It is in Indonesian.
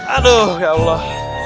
aduh ya allah